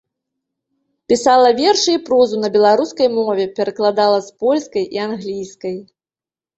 Пісала вершы і прозу на беларускай мове, перакладала з польскай і англійскай.